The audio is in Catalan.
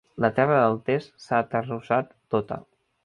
La terra del test s'ha aterrossat tota.